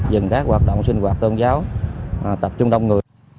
dừng các hoạt động sinh hoạt tôn giáo tập trung đông người